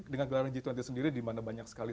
dengan gelaran g dua puluh sendiri dimana banyak sekali